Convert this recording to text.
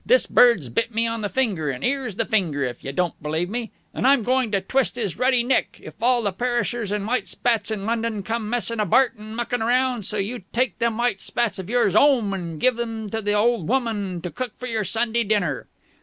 This bird's bit me in the finger, and 'ere's the finger, if you don't believe me and I'm going to twist 'is ruddy neck, if all the perishers with white spats in London come messing abart and mucking around, so you take them white spats of yours 'ome and give 'em to the old woman to cook for your Sunday dinner!"